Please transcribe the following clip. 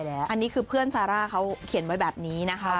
อันนี้คือเพื่อนซาร่าเขาเขียนไว้แบบนี้นะคะ